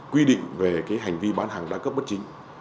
quy định về hành vi bán hàng đa cấp bất chính